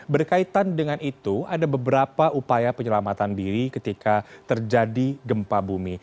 berkaitan dengan itu ada beberapa upaya penyelamatan diri ketika terjadi gempa bumi